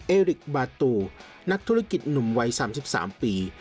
เอริกบาตูนักธุรกิจหนุ่มวัย๓๓ปี